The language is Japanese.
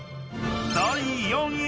［第４位］